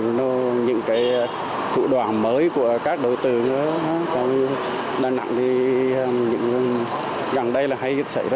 giác định thời điểm cuối năm các đối tượng cướp giật sẽ lợi dụng để hoạt động